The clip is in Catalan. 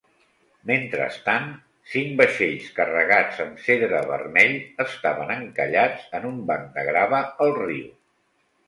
Mentrestant, cinc vaixells carregats amb cedre vermell estaven encallats en un banc de grava al riu.